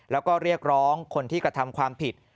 แล้วก็เรียกร้องคนที่กระทำความผิด